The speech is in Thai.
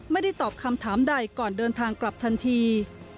ไม่ได้ตอบคำถามใดก่อนเดินทางกลับทันที